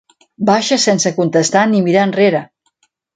Baixa sense contestar ni mirar enrere.